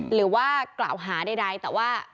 หรือว่ากล่าวหาใดแต่ว่า